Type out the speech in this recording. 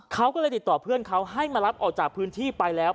เขาก็เลยติดต่อเพื่อนเขาให้มารับออกจากพื้นที่ไปแล้ว